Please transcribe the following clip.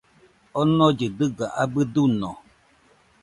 Onollɨ dɨga abɨ duño